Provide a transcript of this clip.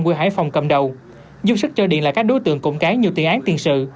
quê hải phòng cầm đầu dùng sức cho điện là các đối tượng cụng cái nhiều tiền án tiền sự